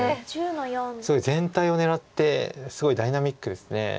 すごい全体を狙ってすごいダイナミックです。